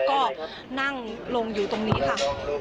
ก็นั่งลงอยู่ตรงนี้ค่ะ